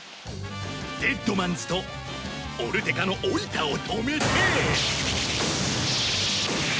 デッドマンズとオルテカのオイタを止めて。